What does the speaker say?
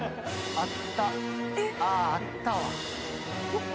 あああったわどこ？